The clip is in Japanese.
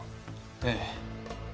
ええ。